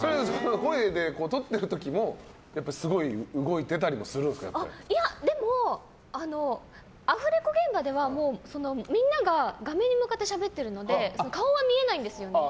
声をとっている時もすごい動いてたりもいや、でもアフレコ現場ではみんなが画面に向かってしゃべっているので顔は見えないんですよね。